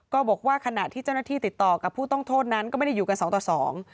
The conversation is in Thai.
ก็บอกว่าขณะที่เจ้าหน้าที่ติดต่อกับผู้ต้องโทษนั้นก็ไม่ได้อยู่กันสองต่อสอง